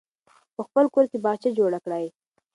په خپل کور کې باغچه جوړه کړئ.